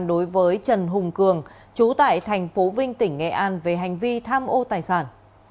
đối với trần hùng cường chú tại tp vinh tỉnh nghệ an về hành vi tham ô tài sản